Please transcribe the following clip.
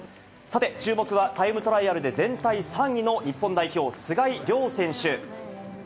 さて注目は、タイムトライアルで全体３位の日本代表、須貝龍選手。